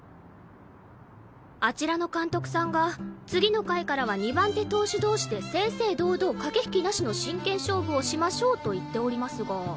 あちらの監督さんが「次の回からは２番手投手同士で正々堂々駆け引きなしの真剣勝負をしましょう」と言っておりますが。